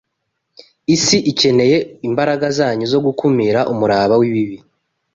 Isi ikeneye imbaraga zanyu zo gukumira umuraba w’ibibi.